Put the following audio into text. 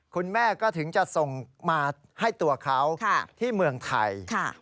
คุณแม่ก็ถึงจะส่งมาให้ตัวเขาที่เมืองไทย